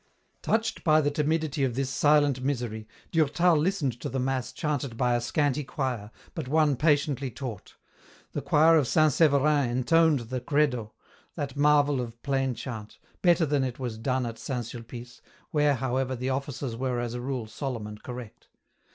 Touched by the timidity of this silent misery, Durtal listened to the mass chanted by a scanty choir, but one patiently taught. The choir of St. Severin intoned the Credo, that marvel of plain chant, better than it was done at St. Sulpice, where, however, the offices were as a rule solemn and correct.